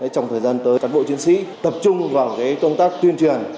trong thời gian tới các bộ chiến sĩ tập trung vào cái công tác tuyên truyền